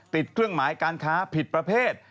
เครื่องหมายการค้าผิดประเภท